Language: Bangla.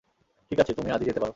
ঠিক আছে, তুমি আজই যেতে পারো।